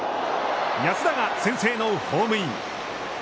安田が先制のホームイン。